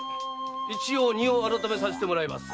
一応荷を改めさせてもらいますよ。